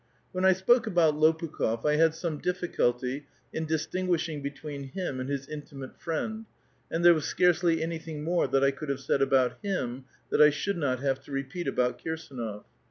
When I spoke about Lopukh6f, I had s<=>me diflSculty in distinguishing between him and his intimsi^te friend, and there was scarcely anything more that I ooul^ have said about him that I should not have to re psat ^.bout Kirsdnof.